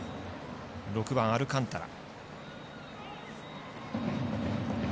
６番、アルカンタラ。